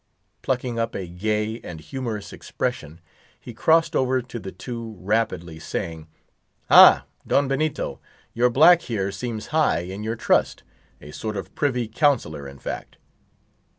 Plucking up a gay and humorous expression, he crossed over to the two rapidly, saying:—"Ha, Don Benito, your black here seems high in your trust; a sort of privy counselor, in fact."